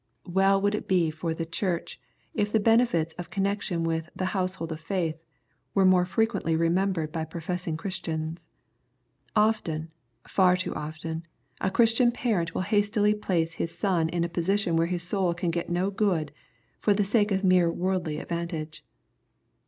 Well would it be for the Church, if the benefits of con nection with the " household of faith," were more fre quently remembered by professing Christians. Often, far too often, a Christian parent will hastily j)lace his son in a position where his soul can get no good, for the sake of mere worldly advantage.